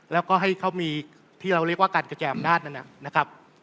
แล้วก็ให้เขามีที่เราเรียกว่าการกระแจอำนาจ